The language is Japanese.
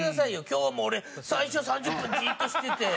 今日も俺最初３０分じっとしてて。